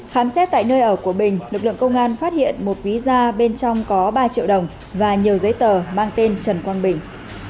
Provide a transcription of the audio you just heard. khám xét tại nơi ở của bình lực lượng công an phát hiện một ví da bên trong có ba triệu đồng và nhiều giấy tờ mang tên trần quang bình